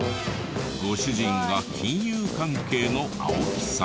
ご主人が金融関係の青木さん。